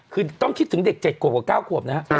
คือต้องคิดถึงเด็ก๗ขวบกว่า๙ขวบนะครับ